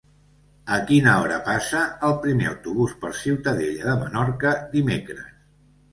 A quina hora passa el primer autobús per Ciutadella de Menorca dimecres?